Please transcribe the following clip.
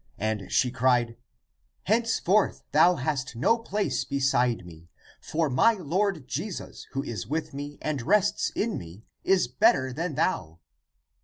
And she cried, " Henceforth thou hast no place beside me, for my Lord Jesus who is with me and rests in me is better than thou."